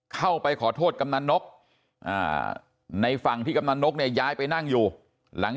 เข้าไปขอโทษกำนันนกในฝั่งที่กำนันนกเนี่ยย้ายไปนั่งอยู่หลัง